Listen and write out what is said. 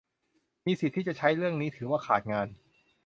มีสิทธิ์ที่จะใช้เรื่องนี้ถือว่าขาดงาน